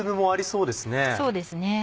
そうですね。